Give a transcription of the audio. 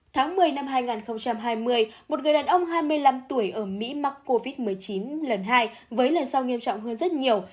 tháng một mươi năm hai nghìn hai mươi một người đàn ông hai mươi năm tuổi ở mỹ mắc covid một mươi chín lần hai với lần sau nghiêm trọng hơn rất nhiều